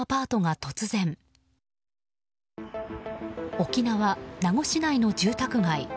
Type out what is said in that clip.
沖縄・名護市内の住宅街。